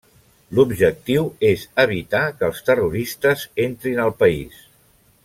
L'objectiu és evitar que els terroristes entrin al país.